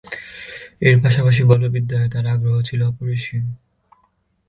এর পাশাপাশি বলবিদ্যায় তাঁর আগ্রহ ছিল অপরিসীম।